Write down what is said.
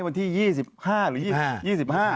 วันที่๒๕หรือ๒๕